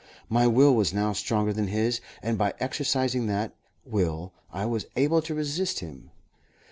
My will was now stronger than his, and by exercising that will I was able to resist him.